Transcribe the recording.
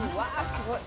すごい。